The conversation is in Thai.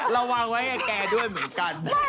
ระวังไว้กับแกด้วยเหมือนกัน